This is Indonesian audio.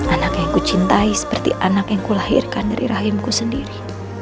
anak yang ku cintai seperti anak yang kulahirkan dari rahimku sendiri